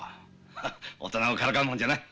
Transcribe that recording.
ハッ大人をからかうもんじゃない。